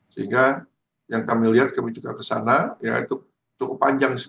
sehingga yang kami lihat kami juga ke sana ya itu cukup panjang